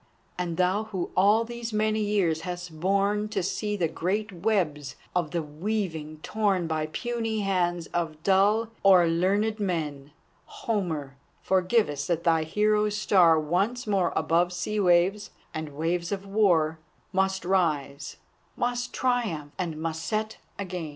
And thou who all these many years hast borne To see the great webs of the weaving torn By puny hands of dull, o'er learned men, Homer, forgive us that thy hero's star Once more above sea waves and waves of war, Must rise, must triumph, and must set again!